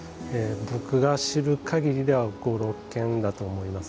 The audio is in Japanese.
僕が知る限りでは５６軒だと思います。